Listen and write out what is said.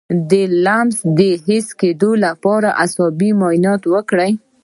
د لمس د حس د کمیدو لپاره د اعصابو معاینه وکړئ